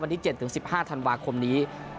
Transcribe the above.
วันนี้๗๑๕ธันวาคมนี้